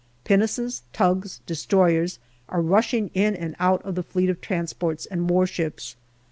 Pinnaces, tugs, destroyers are rushing in and out of the fleet of transports and warships.